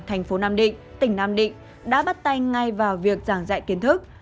thành phố nam định tỉnh nam định đã bắt tay ngay vào việc giảng dạy kiến thức